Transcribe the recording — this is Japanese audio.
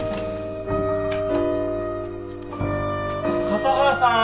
笠原さん。